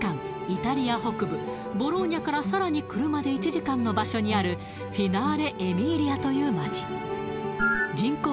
イタリア北部ボローニャからさらに車で１時間の場所にあるフィナーレ・エミーリアという街人口